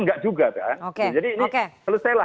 enggak juga kan jadi ini selesailah